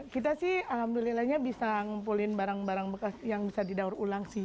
kita sih alhamdulillahnya bisa ngumpulin barang barang bekas yang bisa didaur ulang sih